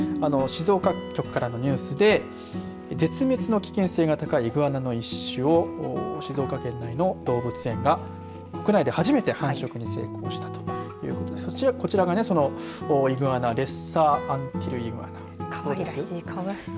静岡局からのニュースで絶滅の危険性が高いイグアナの一種静岡県内の動物園が国内で初めて繁殖に成功したということでこちらが、そのイグアナです。